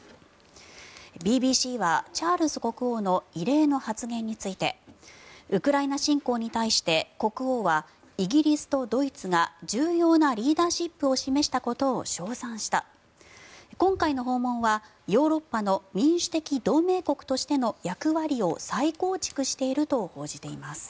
ＢＢＣはチャールズ国王の異例の発言についてウクライナ侵攻に対して国王はイギリスとドイツが重要なリーダーシップを示したことを称賛した今回の訪問は、ヨーロッパの民主的同盟国としての役割を再構築していると報じています。